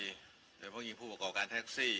อยู่ในภาวะงานผู้ประกอบการแท็กซี่